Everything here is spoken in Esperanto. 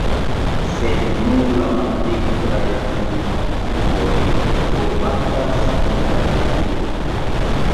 Sed, nur la maldekstraj aminoacidoj trovatas en la naturo.